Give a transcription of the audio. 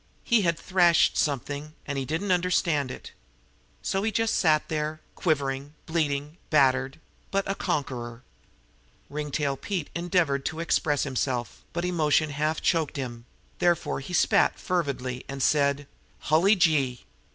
He had thrashed something, and he didn't understand it. So he just sat there, quivering, bleeding, battered but a conqueror. Ringtail Pete endeavored to express himself, but emotion choked him; therefore he spat fervidly and said: "Hully gee!"